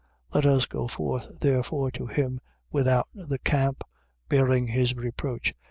Let us go forth therefore to him without the camp, bearing his reproach.